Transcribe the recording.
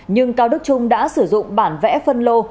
nhưng cao đức trung đã sử dụng bản vẽ phân lô